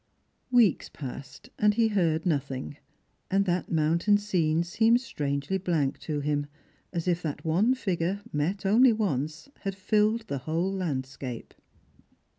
Weeks passed, and he heard nothing; and that mountain scene seemed strangely blank to him, as if that one figure, met only once, had filled the whole landscape.